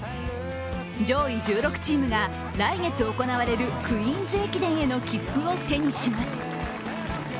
上位１６チームが来月行われるクイーンズ駅伝への切符を手にします。